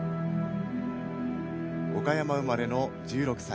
岡山生まれの１６歳。